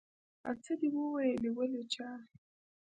آ څه دې وويلې ولې چا.